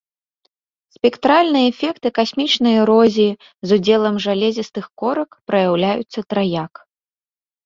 Спектральныя эфекты касмічнай эрозіі, з удзелам жалезістых корак, праяўляюцца траяк.